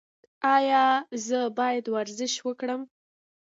ایا زه باید ورزش وکړم؟